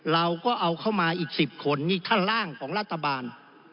เราก็เอาเข้ามาอีก๑๐คนนี่ท่านล่างของรัฐบาล